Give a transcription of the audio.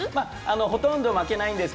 ほとんど負けないんです